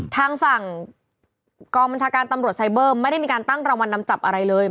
ทางฝั่งกองบัญชาการตำรวจไซเบอร์ไม่ได้มีการตั้งรางวัลนำจับอะไรเลย